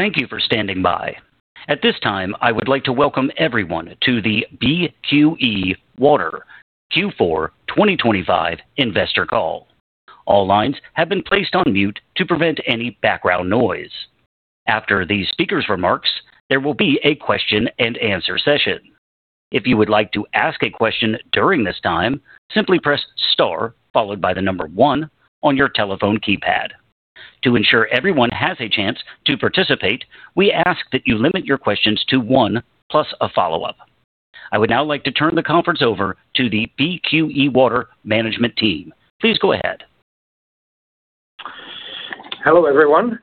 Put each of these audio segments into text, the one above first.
Thank you for standing by. At this time, I would like to welcome everyone to the BQE Water Q4 2025 investor call. All lines have been placed on mute to prevent any background noise. After the speaker's remarks, there will be a question-and-answer session. If you would like to ask a question during this time, simply press star followed by number one on your telephone keypad. To ensure everyone has a chance to participate, we ask that you limit your questions to one plus a follow-up. I would now like to turn the conference over to the BQE Water management team. Please go ahead. Hello, everyone.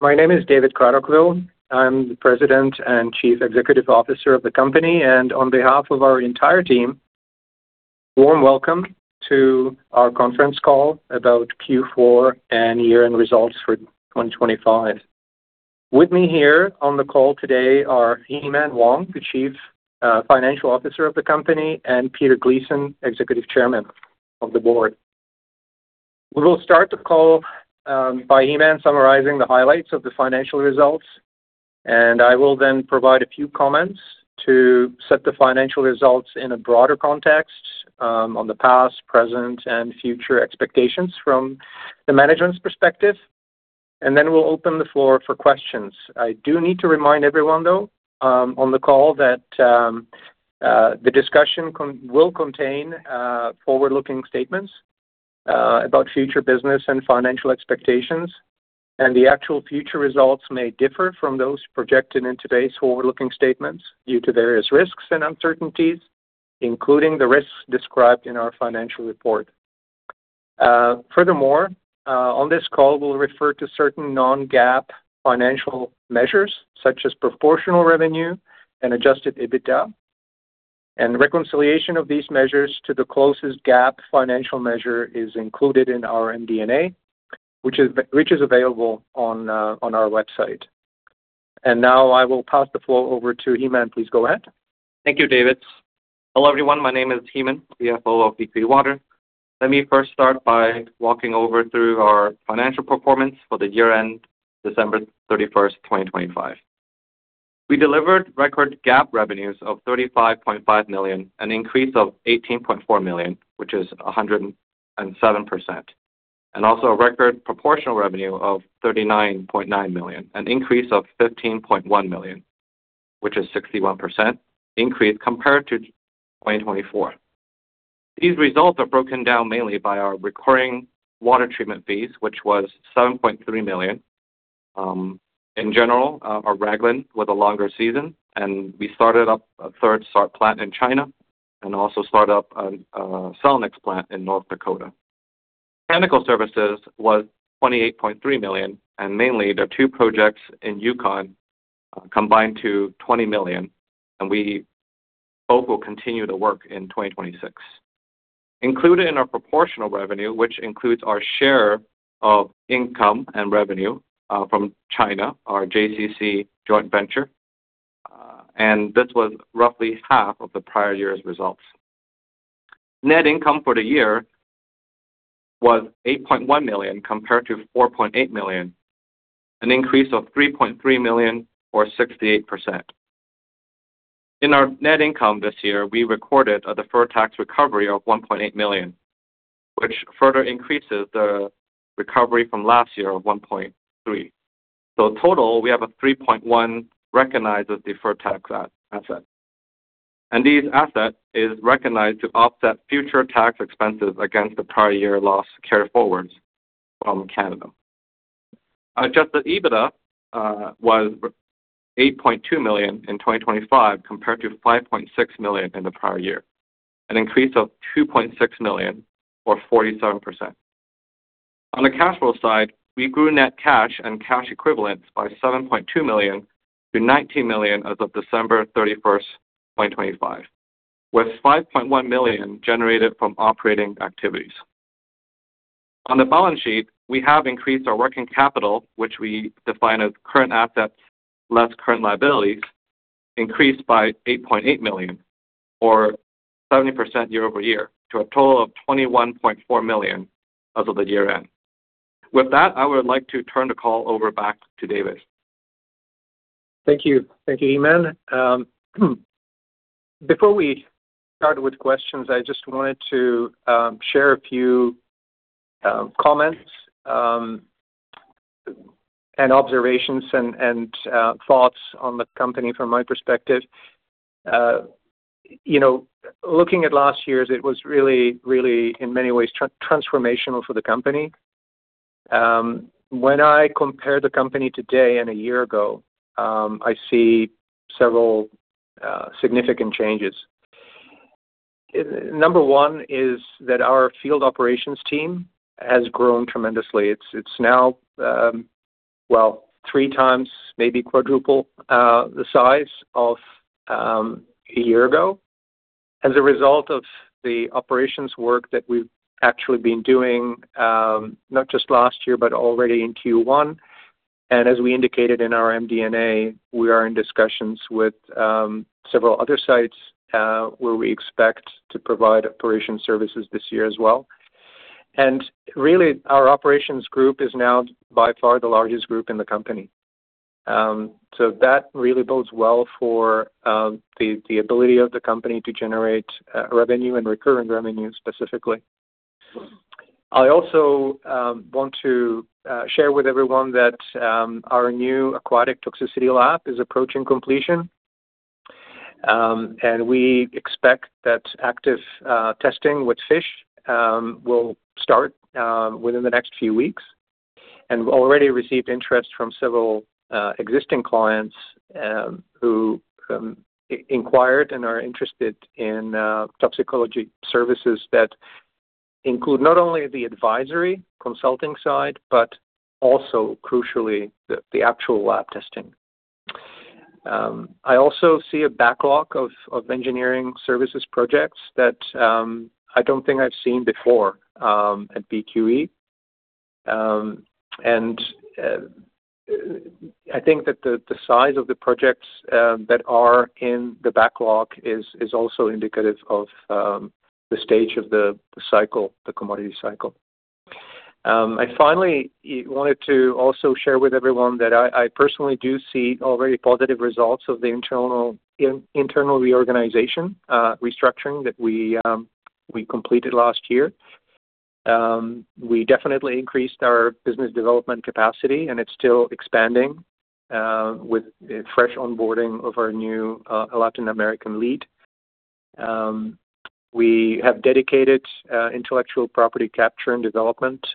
My name is David Kratochvil. I'm the President and Chief Executive Officer of the company. On behalf of our entire team, warm welcome to our conference call about Q4 and year-end results for 2025. With me here on the call today are Heman Wong, the Chief Financial Officer of the company, and Peter Gleeson, Executive Chairman of the board. We will start the call by Heman summarizing the highlights of the financial results, and I will then provide a few comments to set the financial results in a broader context on the past, present, and future expectations from the management's perspective, and then we'll open the floor for questions. I do need to remind everyone, though, on the call that the discussion will contain forward-looking statements about future business and financial expectations, and the actual future results may differ from those projected in today's forward-looking statements due to various risks and uncertainties, including the risks described in our financial report. Furthermore, on this call, we'll refer to certain non-GAAP financial measures, such as proportional revenue and adjusted EBITDA. Reconciliation of these measures to the closest GAAP financial measure is included in our MD&A, which is available on our website. Now I will pass the floor over to Heman. Please go ahead. Thank you, David. Hello, everyone. My name is Heman, CFO of BQE Water. Let me first start by walking you through our financial performance for the year end December 31st, 2025. We delivered record GAAP revenues of 35.5 million, an increase of 18.4 million, which is 107%. Also a record proportional revenue of 39.9 million, an increase of 15.1 million, which is 61% increase compared to 2024. These results are broken down mainly by our recurring water treatment fees, which was 7.3 million. In general, our Raglan with a longer season, and we started up a third SART plant in China and also start up a Selen-IX plant in North Dakota. Chemical services was 28.3 million, and mainly the two projects in Yukon combined to 20 million, and we hope will continue to work in 2026. Included in our proportional revenue, which includes our share of income and revenue from China, our JCC joint venture, and this was roughly half of the prior year's results. Net income for the year was 8.1 million compared to 4.8 million, an increase of 3.3 million or 68%. In our net income this year, we recorded a deferred tax recovery of 1.8 million, which further increases the recovery from last year of 1.3 million. Total, we have a 3.1 million recognized deferred tax asset. This asset is recognized to offset future tax expenses against the prior year loss carryforwards from Canada. Adjusted EBITDA was 8.2 million in 2025 compared to 5.6 million in the prior year. An increase of 2.6 million or 47%. On the cash flow side, we grew net cash and cash equivalents by 7.2 million to 19 million as of December 31st, 2025, with 5.1 million generated from operating activities. On the balance sheet, we have increased our working capital, which we define as current assets less current liabilities, increased by 8.8 million or 70% year-over-year to a total of 21.4 million as of the year-end. With that, I would like to turn the call over back to David. Thank you. Thank you, Heman. Before we start with questions, I just wanted to share a few comments and observations, and thoughts on the company from my perspective. Looking at last year's, it was really in many ways transformational for the company. When I compare the company today and a year ago, I see several significant changes. Number one is that our field operations team has grown tremendously. It's now, well, three times, maybe quadruple, the size of a year ago as a result of the operations work that we've actually been doing, not just last year, but already in Q1. As we indicated in our MD&A, we are in discussions with several other sites, where we expect to provide operation services this year as well. Really our operations group is now by far the largest group in the company. That really bodes well for the ability of the company to generate revenue and recurring revenue, specifically. I also want to share with everyone that our new aquatic toxicity lab is approaching completion. We expect that active testing with fish will start within the next few weeks. We've already received interest from several existing clients who inquired and are interested in toxicology services that include not only the advisory consulting side, but also crucially, the actual lab testing. I also see a backlog of engineering services projects that I don't think I've seen before at BQE. I think that the size of the projects that are in the backlog is also indicative of the stage of the commodity cycle. I finally wanted to also share with everyone that I personally do see already positive results of the internal reorganization, restructuring that we completed last year. We definitely increased our business development capacity, and it's still expanding with fresh onboarding of our new Latin American lead. We have dedicated intellectual property capture and development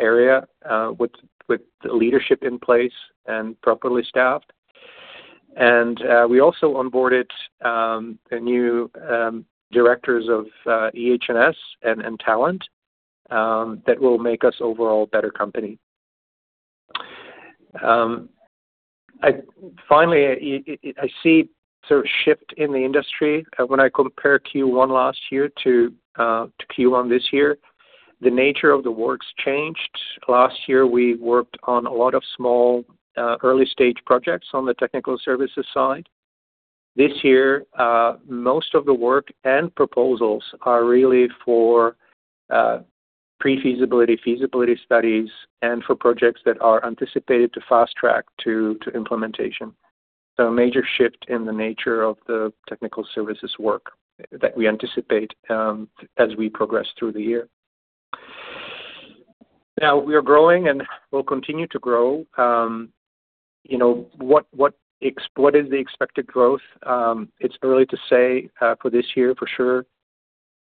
area, with leadership in place and properly staffed. We also onboarded new directors of EH&S and talent that will make us overall better company. Finally, I see a shift in the industry when I compare Q1 last year to Q1 this year. The nature of the work's changed. Last year, we worked on a lot of small early-stage projects on the technical services side. This year, most of the work and proposals are really for pre-feasibility, feasibility studies, and for projects that are anticipated to fast track to implementation. A major shift in the nature of the technical services work that we anticipate as we progress through the year. Now we are growing and will continue to grow. What is the expected growth? It's early to say for this year for sure,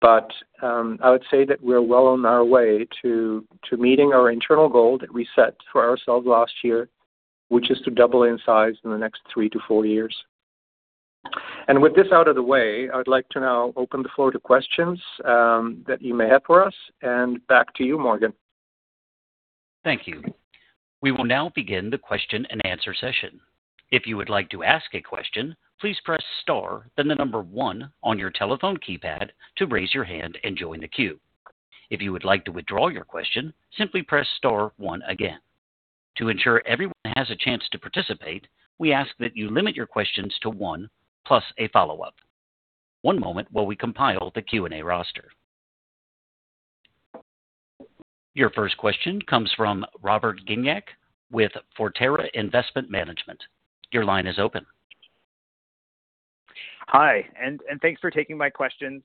but I would say that we're well on our way to meeting our internal goal that we set for ourselves last year, which is to double in size in the next three to four years. With this out of the way, I would like to now open the floor to questions that you may have for us, and back to you, Morgan. Thank you. We will now begin the question and answer session. If you would like to ask a question, please press star, then the number one on your telephone keypad to raise your hand and join the queue. If you would like to withdraw your question, simply press star one again. To ensure everyone has a chance to participate, we ask that you limit your questions to one plus a follow-up. One moment while we compile the Q&A roster. Your first question comes from Robert Gignac with Forterra Investment Management. Your line is open. Hi, and thanks for taking my questions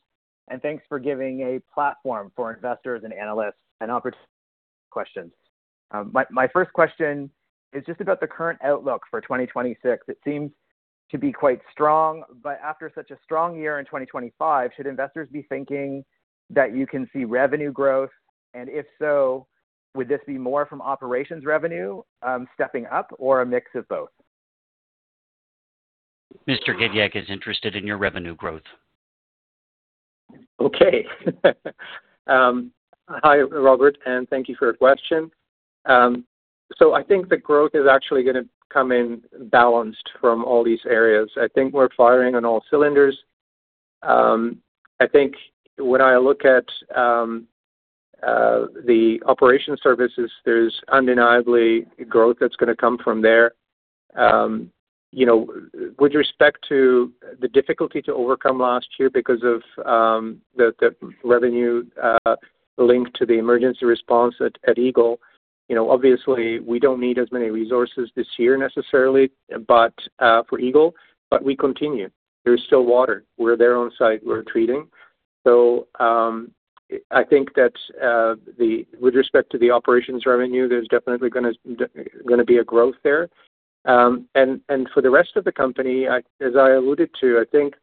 and thanks for giving a platform for investors and analysts an opportunity to ask questions. My first question is just about the current outlook for 2026. It seems to be quite strong. After such a strong year in 2025, should investors be thinking that you can see revenue growth? If so, would this be more from operations revenue stepping up or a mix of both? Mr. Gignac is interested in your revenue growth. Okay. Hi, Robert, and thank you for your question. I think the growth is actually going to come in balanced from all these areas. I think we're firing on all cylinders. I think when I look at the operations services, there's undeniably growth that's going to come from there. With respect to the difficulty to overcome last year because of the revenue linked to the emergency response at Eagle. Obviously, we don't need as many resources this year necessarily for Eagle, but we continue. There's still water. We're there on site. We're treating. I think that with respect to the operations revenue, there's definitely going to be a growth there. For the rest of the company, as I alluded to, I think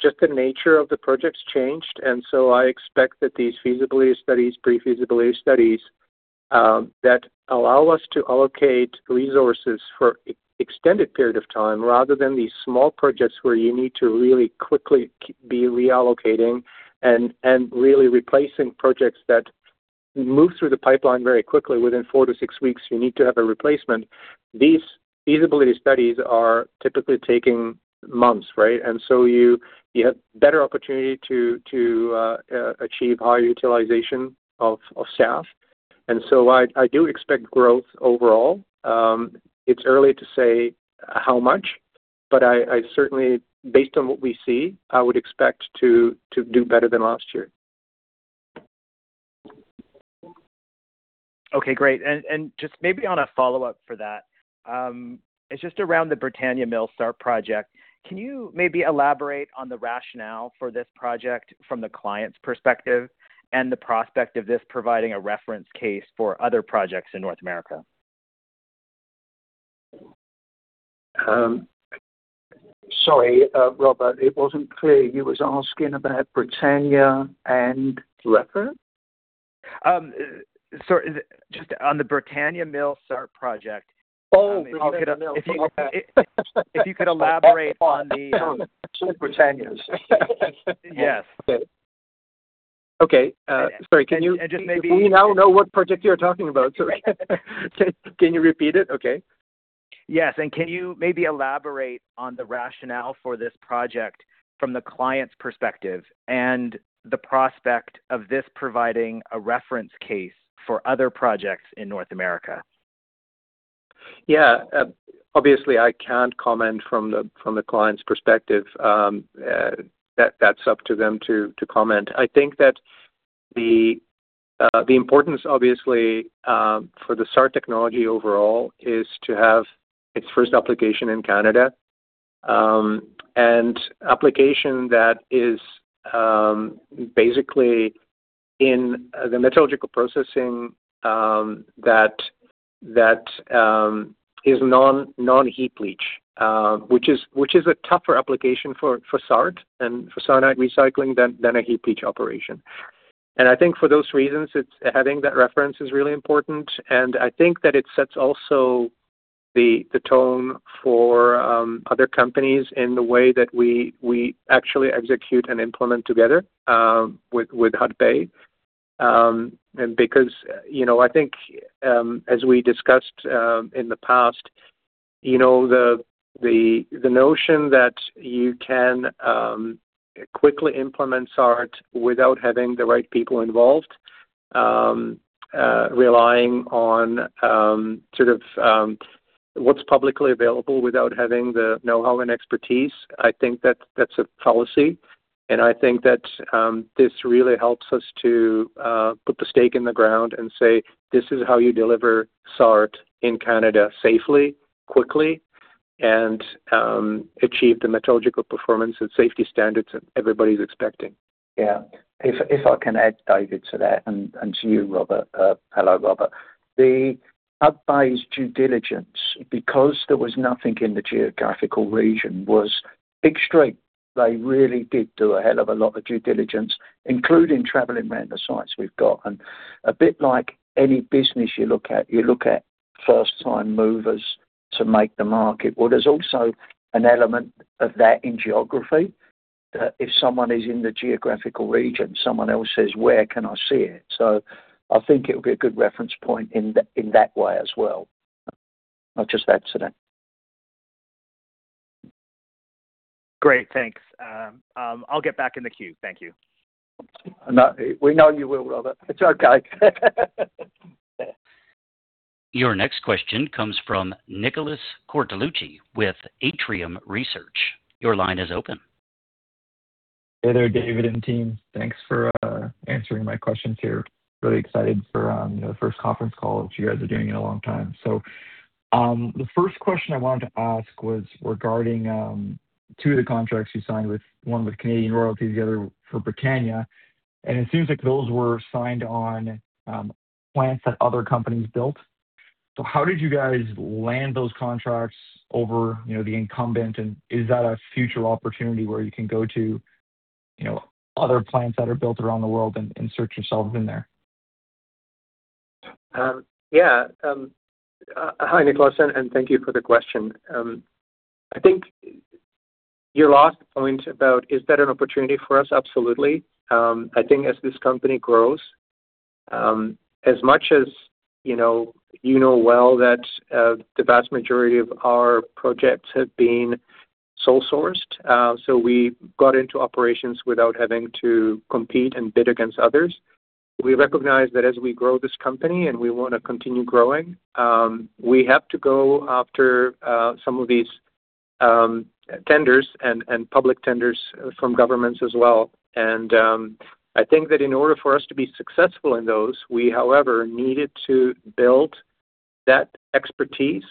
just the nature of the projects changed, and so I expect that these feasibility studies, pre-feasibility studies that allow us to allocate resources for extended period of time, rather than these small projects where you need to really quickly be reallocating and really replacing projects that move through the pipeline very quickly. Within four to six weeks, you need to have a replacement. These feasibility studies are typically taking months, right? You have better opportunity to achieve high utilization of staff. I do expect growth overall. It's early to say how much. I certainly, based on what we see, I would expect to do better than last year. Okay, great. Just maybe on a follow-up for that, it's just around the Britannia Mill SART project. Can you maybe elaborate on the rationale for this project from the client's perspective and the prospect of this providing a reference case for other projects in North America? Sorry, Robert, it wasn't clear. You was asking about Britannia and reference? Just on the Britannia Mill SART project. Oh, Britannia Mill. Okay. If you could elaborate on the. Two Britannias. Yes. Okay. Sorry. And just maybe- We now know what project you're talking about, so can you repeat it? Okay. Yes. Can you maybe elaborate on the rationale for this project from the client's perspective and the prospect of this providing a reference case for other projects in North America? Yeah. Obviously, I can't comment from the client's perspective. That's up to them to comment. I think that the importance, obviously, for the SART technology overall is to have its first application in Canada, and an application that is basically in the metallurgical processing that is non-heap leach, which is a tougher application for SART and for cyanide recycling than a heap leach operation. I think for those reasons, having that reference is really important, and I think that it sets also the tone for other companies in the way that we actually execute and implement together, with Hudbay. Because I think, as we discussed in the past, the notion that you can quickly implement SART without having the right people involved, relying on sort of, what's publicly available without having the know-how and expertise, I think that's a fallacy, and I think that this really helps us to put the stake in the ground and say, "This is how you deliver SART in Canada safely, quickly, and achieve the metallurgical performance and safety standards that everybody's expecting. Yeah. If I can add, David, to that and to you, Robert. Hello, Robert. The Hudbay's due diligence, because there was nothing in the geographical region, was a big stretch. They really did do a hell of a lot of due diligence, including traveling around the sites we've got. A bit like any business you look at, you look at first-time movers to make the market. Well, there's also an element of that in geography, that if someone is in the geographical region, someone else says, Where can I see it? So I think it'll be a good reference point in that way as well. Not just an accident. Great. Thanks. I'll get back in the queue. Thank you. We know you will, Robert. It's okay. Your next question comes from Nicholas Cortellucci with Atrium Research. Your line is open. Hey there, David and team. Thanks for answering my questions here. Really excited for the first conference call that you guys are doing in a long time. The first question I wanted to ask was regarding two of the contracts you signed, one with Canadian Royalties, the other for Britannia. It seems like those were signed on plants that other companies built. How did you guys land those contracts over the incumbent, and is that a future opportunity where you can go to other plants that are built around the world and insert yourselves in there? Yeah. Hi, Nicholas, and thank you for the question. I think your last point about is that an opportunity for us, absolutely. I think as this company grows, as much as you know well that the vast majority of our projects have been sole-sourced, so we got into operations without having to compete and bid against others. We recognize that as we grow this company, and we want to continue growing, we have to go after some of these tenders and public tenders from governments as well. I think that in order for us to be successful in those, we however needed to build that expertise,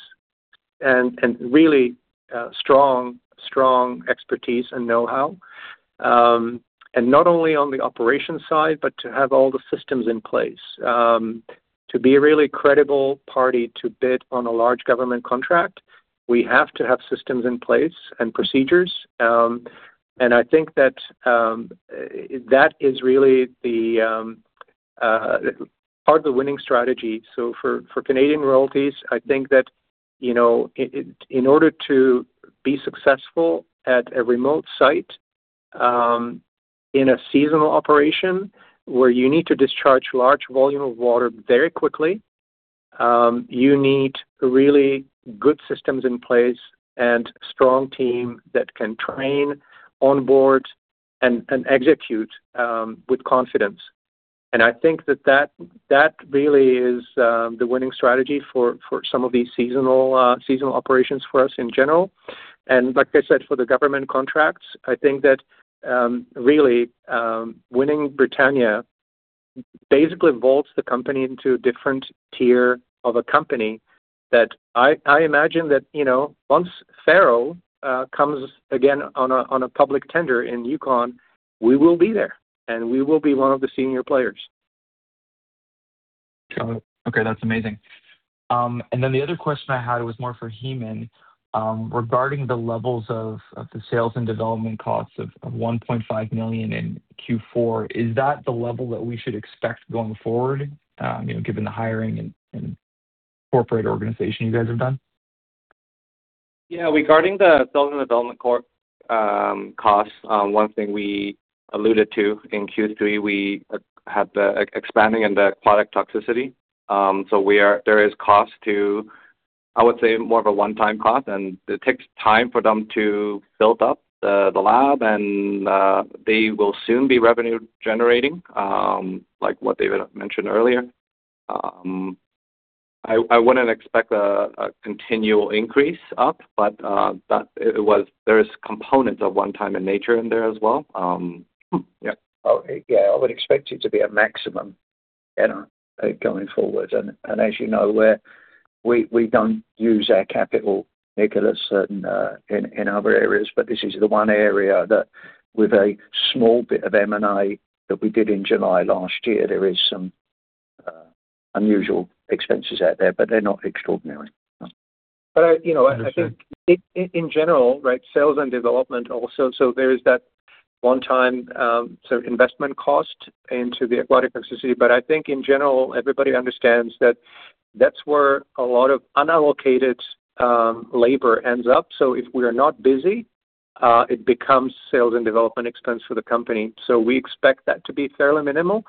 and really strong expertise and know-how. Not only on the operations side, but to have all the systems in place. To be a really credible party to bid on a large government contract, we have to have systems in place and procedures. I think that is really part of the winning strategy. For Canadian Royalties, I think that in order to be successful at a remote site, in a seasonal operation where you need to discharge large volume of water very quickly, you need really good systems in place and strong team that can train on board and execute with confidence. I think that really is the winning strategy for some of these seasonal operations for us in general. Like I said, for the government contracts, I think that really winning Britannia basically vaults the company into a different tier of a company that I imagine that once Faro comes again on a public tender in Yukon, we will be there, and we will be one of the senior players. Got it. Okay, that's amazing. The other question I had was more for Heman regarding the levels of the sales and development costs of 1.5 million in Q4. Is that the level that we should expect going forward given the hiring and corporate organization you guys have done? Yeah. Regarding the sales and development costs, one thing we alluded to in Q3, we had the expansion in the aquatic toxicity. There is cost to, I would say more of a one-time cost, and it takes time for them to build up the lab, and they will soon be revenue-generating, like what David mentioned earlier. I wouldn't expect a continual increase up, but there is components of one-time in nature in there as well. Yeah. Yeah. I would expect it to be a maximum going forward. As you know, we don't use our capital, Nicholas, in other areas, but this is the one area that with a small bit of M&A that we did in July last year, there is some unusual expenses out there, but they're not extraordinary. Understood. I think in general, sales and development also, so there is that one-time investment cost into the aquatic toxicity. I think in general, everybody understands that that's where a lot of unallocated labor ends up. If we are not busy, it becomes sales and development expense for the company. We expect that to be fairly minimal.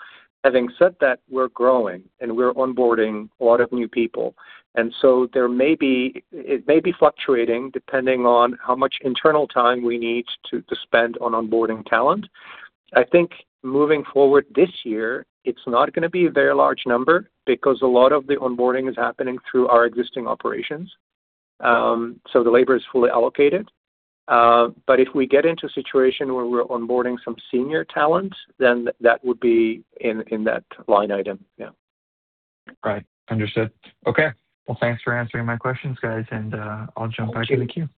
Having said that, we're growing, and we're onboarding a lot of new people, and so it may be fluctuating depending on how much internal time we need to spend on onboarding talent. I think moving forward this year, it's not going to be a very large number because a lot of the onboarding is happening through our existing operations. The labor is fully allocated. If we get into a situation where we're onboarding some senior talent, then that would be in that line item. Yeah. Right. Understood. Okay. Well, thanks for answering my questions, guys, and I'll jump back in the queue. Thank you.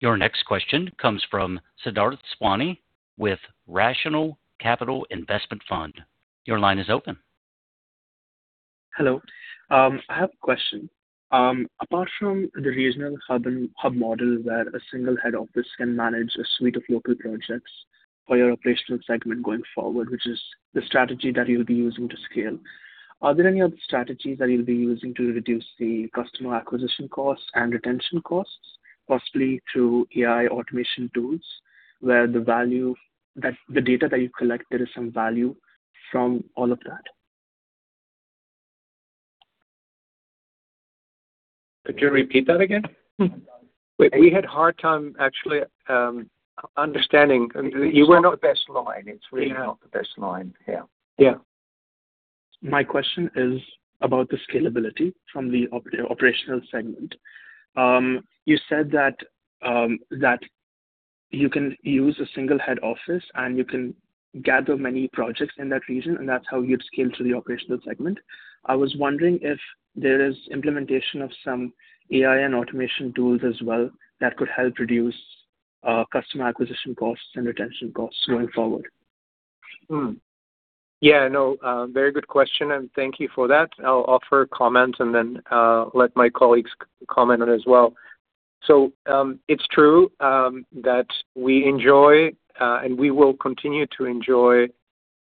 Your next question comes from Siddharth Sawani with Rational Capital Investment Fund. Your line is open. Hello. I have a question. Apart from the regional hub model where a single head office can manage a suite of local projects for your operational segment going forward, which is the strategy that you'll be using to scale, are there any other strategies that you'll be using to reduce the customer acquisition costs and retention costs, possibly through AI automation tools where the data that you collect, there is some value from all of that? Could you repeat that again? We had a hard time actually understanding. You were not It's not the best line. It's really not the best line. Yeah. Yeah. My question is about the scalability from the operational segment. You said that you can use a single head office and you can gather many projects in that region, and that's how you'd scale to the operational segment. I was wondering if there is implementation of some AI and automation tools as well that could help reduce customer acquisition costs and retention costs going forward. Yeah, no, very good question, and thank you for that. I'll offer a comment and then let my colleagues comment on it as well. It's true that we enjoy, and we will continue to enjoy,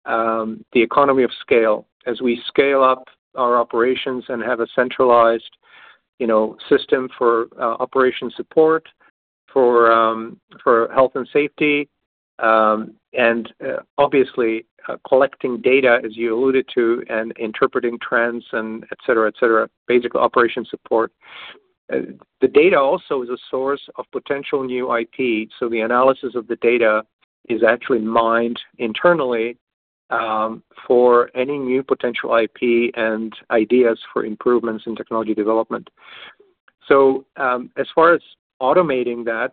the economy of scale as we scale up our operations and have a centralized system for operation support for health and safety, obviously collecting data, as you alluded to, and interpreting trends and et cetera. Basically operation support. The data also is a source of potential new IP. The analysis of the data is actually mined internally, for any new potential IP and ideas for improvements in technology development. As far as automating that,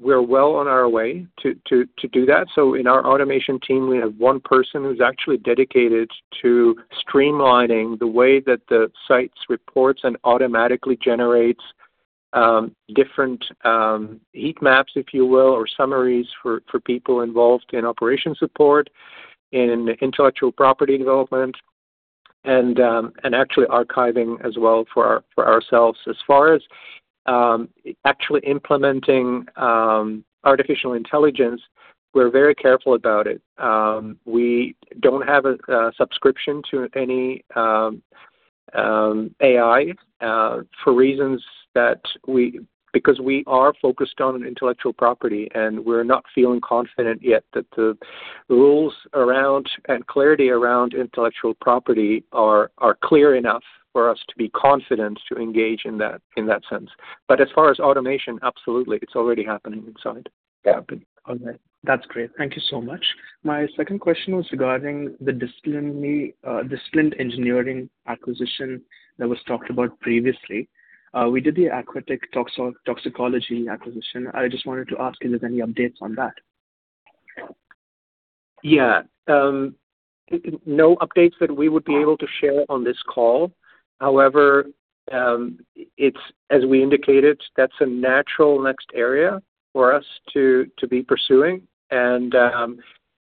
we're well on our way to do that. In our automation team, we have one person who's actually dedicated to streamlining the way that the sites reports and automatically generates different heat maps, if you will, or summaries for people involved in operation support, in intellectual property development, and actually archiving as well for ourselves. As far as actually implementing artificial intelligence, we're very careful about it. We don't have a subscription to any AI for reasons that because we are focused on intellectual property and we're not feeling confident yet that the rules around and clarity around intellectual property are clear enough for us to be confident to engage in that sense. As far as automation, absolutely. It's already happening inside. Yeah. All right. That's great. Thank you so much. My second question was regarding the disciplined engineering acquisition that was talked about previously. With the aquatic toxicity acquisition, I just wanted to ask, is there any updates on that? Yeah. No updates that we would be able to share on this call. However, as we indicated, that's a natural next area for us to be pursuing.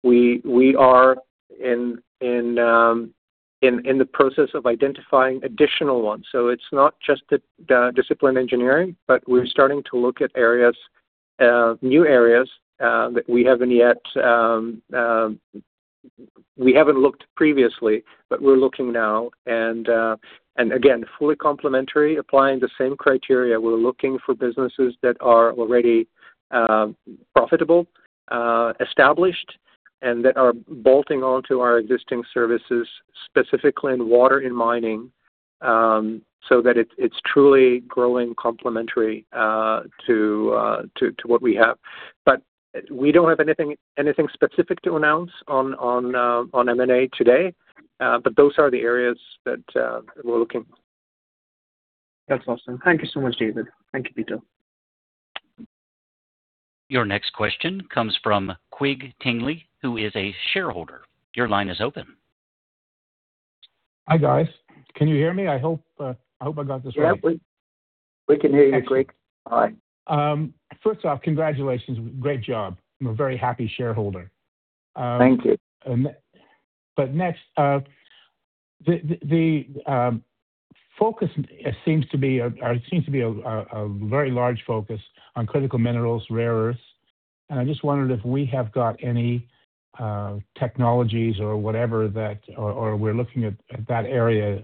We are in the process of identifying additional ones. It's not just the discipline engineering, but we're starting to look at new areas, that we haven't looked previously, but we're looking now. Again, fully complementary, applying the same criteria. We're looking for businesses that are already profitable, established, and that are bolting onto our existing services, specifically in water and mining, so that it's truly growing complementary to what we have. We don't have anything specific to announce on M&A today. Those are the areas that we're looking. That's awesome. Thank you so much, David. Thank you, Peter. Your next question comes from Quig Tingley, who is a shareholder. Your line is open. Hi guys. Can you hear me? I hope I got this right. Yep. We can hear you, Quig. All right. First off, congratulations. Great job. I'm a very happy shareholder. Thank you. Next, there seems to be a very large focus on critical minerals, rare earths, and I just wondered if we have got any technologies or whatever that, or we're looking at that area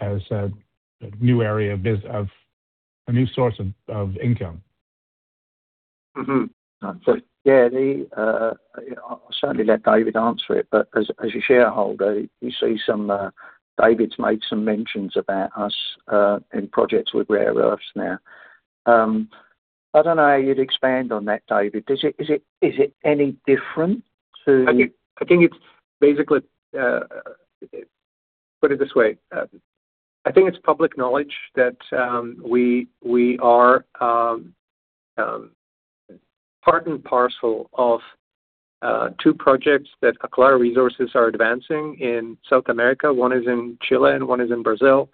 as a new area of business, a new source of income? Yeah, I'll certainly let David answer it, but as a shareholder, you see David's made some mentions about us in projects with rare earths now. I don't know how you'd expand on that, David. Is it any different to I think it's basically, put it this way. I think it's public knowledge that we are part and parcel of two projects that Aclara Resources are advancing in South America. One is in Chile and one is in Brazil.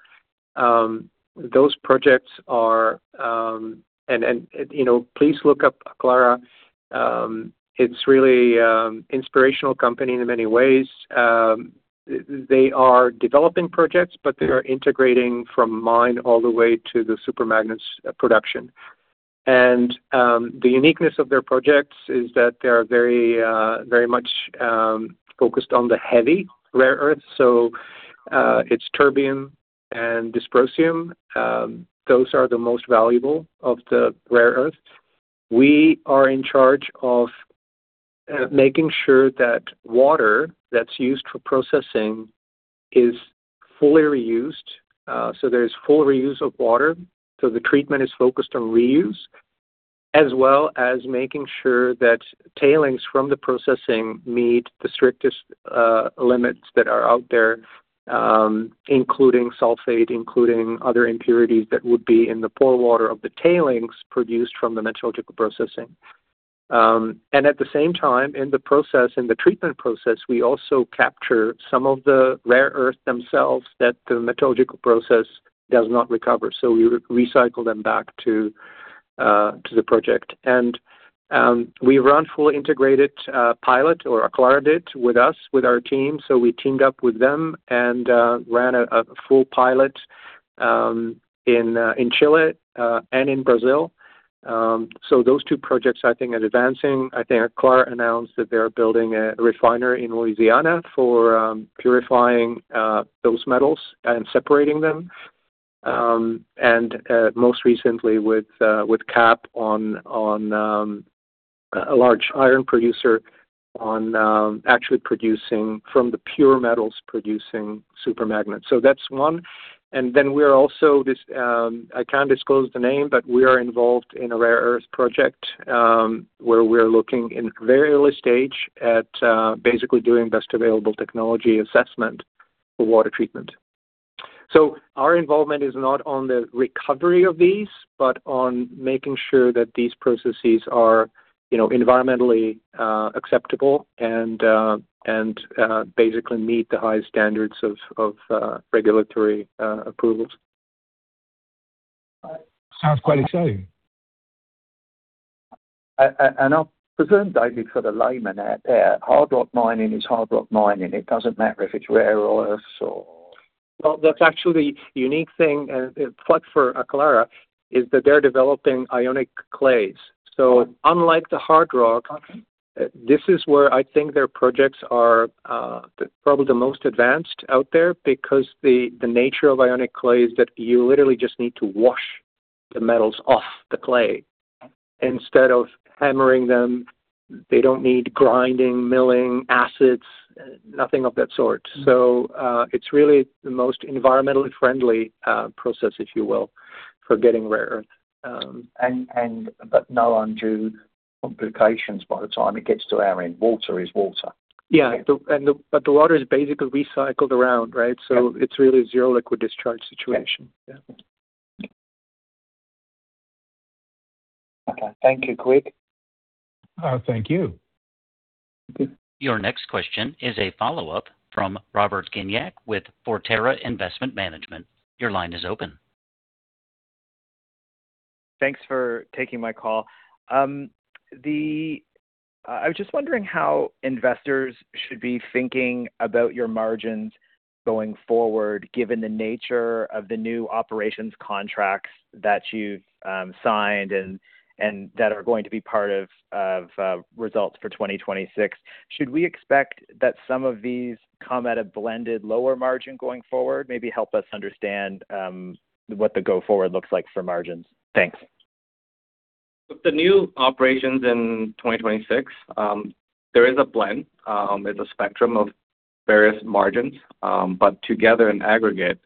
Please look up Aclara. It's really inspirational company in many ways. They are developing projects, but they are integrating from mine all the way to the super magnets production. The uniqueness of their projects is that they're very much focused on the heavy rare earths, so, it's terbium and dysprosium. Those are the most valuable of the rare earths. We are in charge of making sure that water that's used for processing is fully reused. There's full reuse of water, so the treatment is focused on reuse, as well as making sure that tailings from the processing meet the strictest limits that are out there, including sulfate, including other impurities that would be in the pore water of the tailings produced from the metallurgical processing. At the same time, in the treatment process, we also capture some of the rare earths themselves that the metallurgical process does not recover. We recycle them back to the project. We run fully integrated pilot, or Aclara did, with us, with our team. We teamed up with them and ran a full pilot in Chile and in Brazil. Those two projects I think are advancing. I think Aclara announced that they're building a refinery in Louisiana for purifying those metals and separating them. Most recently with CAP on a large iron producer on actually producing from the pure metals producing super magnets. That's one. We're also, I can't disclose the name, but we are involved in a rare earth project, where we're looking in very early stage at basically doing best available technology assessment for water treatment. Our involvement is not on the recovery of these, but on making sure that these processes are environmentally acceptable and basically meet the high standards of regulatory approvals. Sounds quite exciting. I'll presume, David, for the layman out there, hard rock mining is hard rock mining. It doesn't matter if it's rare earths or Well, that's actually a unique thing, a plug for Aclara, is that they're developing ionic clays. Oh. Unlike the hard rock. Okay This is where I think their projects are probably the most advanced out there because the nature of ionic clay is that you literally just need to wash the metals off the clay instead of hammering them. They don't need grinding, milling, acids, nothing of that sort. It's really the most environmentally friendly process, if you will, for getting rare earth. No undue complications by the time it gets to our end. Water is water. Yeah. The water is basically recycled around, right? Yeah. It's really zero liquid discharge situation. Yeah. Okay. Thank you, Quig. Thank you. Your next question is a follow-up from Robert Gignac with Forterra Investment Management. Your line is open. Thanks for taking my call. I was just wondering how investors should be thinking about your margins going forward, given the nature of the new operations contracts that you've signed and that are going to be part of results for 2026. Should we expect that some of these come at a blended lower margin going forward? Maybe help us understand what the go forward looks like for margins. Thanks. The new operations in 2026, there is a blend. There's a spectrum of various margins. Together in aggregate,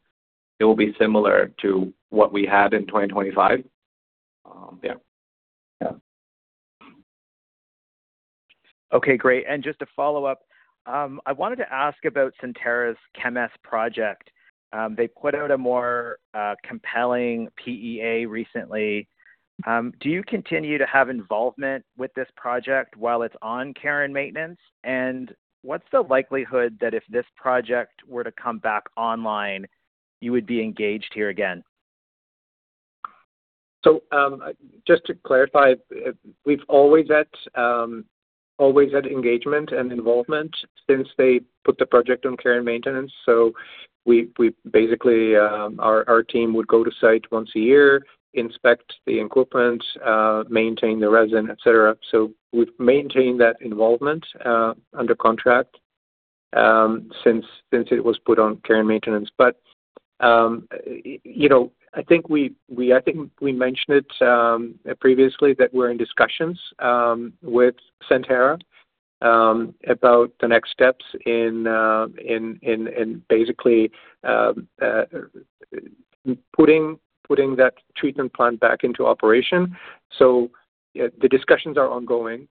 it will be similar to what we had in 2025. Yeah. Okay, great. Just to follow up, I wanted to ask about Centerra's Kemess project. They put out a more compelling PEA recently. Do you continue to have involvement with this project while it's on care and maintenance? And what's the likelihood that if this project were to come back online, you would be engaged here again? Just to clarify, we've always had engagement and involvement since they put the project on care and maintenance. Basically, our team would go to site once a year, inspect the equipment, maintain the resin, et cetera. We've maintained that involvement under contract since it was put on care and maintenance. I think we mentioned it previously that we're in discussions with Centerra about the next steps in basically putting that treatment plant back into operation. The discussions are ongoing.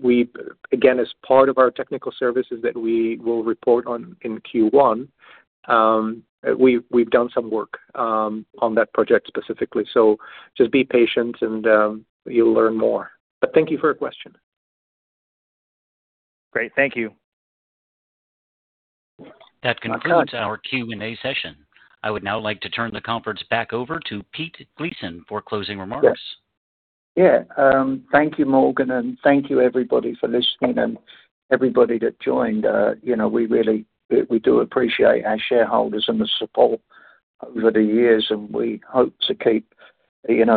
We again, as part of our technical services that we will report on in Q1, we've done some work on that project specifically. Just be patient and you'll learn more. Thank you for your question. Great. Thank you. That concludes our Q&A session. I would now like to turn the conference back over to Peter Gleeson for closing remarks. Yeah. Thank you, Morgan, and thank you everybody for listening and everybody that joined. We do appreciate our shareholders and the support over the years, and we hope to keep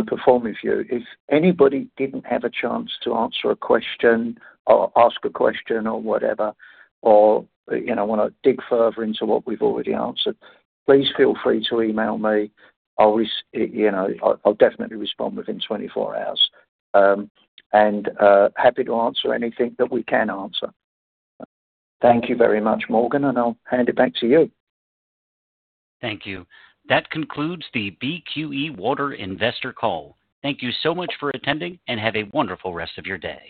performing for you. If anybody didn't have a chance to answer a question or ask a question or whatever, or want to dig further into what we've already answered, please feel free to email me. I'll definitely respond within 24 hours. Happy to answer anything that we can answer. Thank you very much, Morgan, and I'll hand it back to you. Thank you. That concludes the BQE Water investor call. Thank you so much for attending and have a wonderful rest of your day.